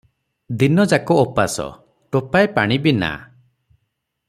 ଦିନ ଯାକ ଓପାସ – ଟୋପାଏ ପାଣି ବି ନା ।